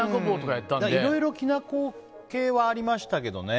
いろいろきな粉系はありましたけどね。